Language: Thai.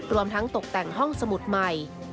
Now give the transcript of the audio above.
รวมทั้งตกแต่งห้องสมุดใหม่